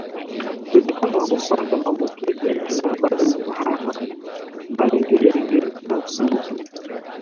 Uwezekano wa kupata maambukizi ya zinaa bado upo hasa malengelenge na dutu